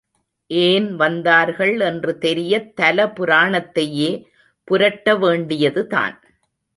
ஏன் வந்தார்கள் என்று தெரியத் தல புராணத்தையே புரட்ட வேண்டியதுதான்.